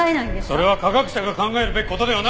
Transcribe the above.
それは科学者が考えるべき事ではない！